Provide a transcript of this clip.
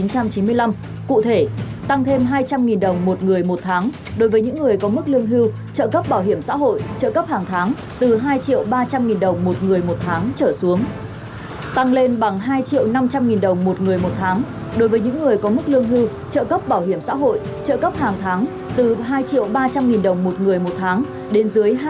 các bạn hãy đăng ký kênh để ủng hộ kênh của mình nhé